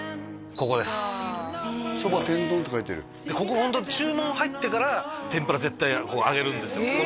ここです「そば天丼」って書いてるでここホント注文入ってから天ぷら絶対揚げるんですよ